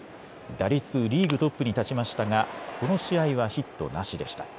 打率リーグトップに立ちましたがこの試合はヒットなしでした。